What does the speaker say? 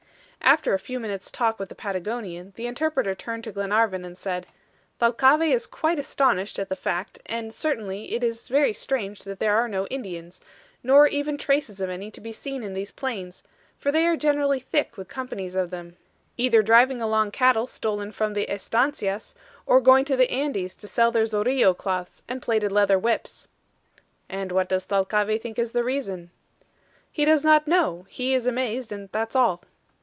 After a few minute's talk with the Patagonian, the interpreter turned to Glenarvan and said: "Thalcave is quite astonished at the fact, and certainly it is very strange that there are no Indians, nor even traces of any to be seen in these plains, for they are generally thick with companies of them, either driving along cattle stolen from the ESTANCIAS, or going to the Andes to sell their zorillo cloths and plaited leather whips." "And what does Thalcave think is the reason?" "He does not know; he is amazed and that's all."